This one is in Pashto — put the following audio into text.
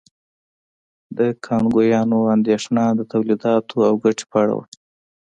د کانګویانو اندېښنه د تولیداتو او ګټې په اړه وه.